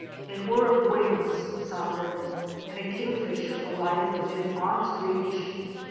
A whir of wings sounded, and a Kingfisher ® alighted within arm's reach.